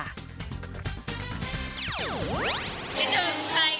คิดถึงใครทั้งหมดเนี่ย